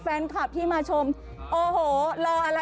แฟนคลับที่มาชมโอ้โหรออะไร